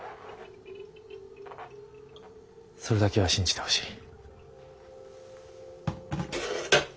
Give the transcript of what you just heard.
それだけは信じてほしい。